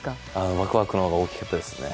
ワクワクのほうが大きかったですね。